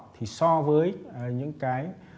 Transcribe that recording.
thì so với những cái